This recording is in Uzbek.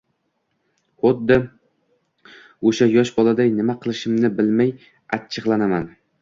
xuddi oʻsha yosh boladay nima qilishni bilmay achchigʻlanaman.